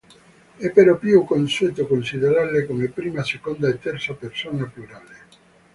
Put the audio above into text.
È però più consueto considerarle come prima, seconda e terza persona plurale.